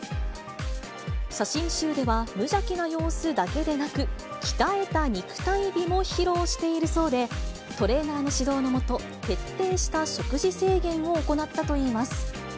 写真集では、無邪気な様子だけでなく、鍛えた肉体美も披露しているそうで、トレーナーの指導のもと、徹底した食事制限を行ったといいます。